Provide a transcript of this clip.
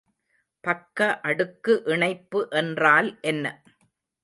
பக்க அடுக்கு இணைப்பு என்றால் என்ன?